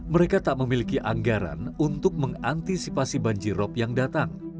mereka tak memiliki anggaran untuk mengantisipasi banjirop yang datang